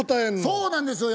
そうなんですよ